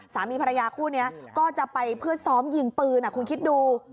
สามีภรรยาคู่นี้ก็จะไปเพื่อซ้อมยิงปืนคุณคิดดู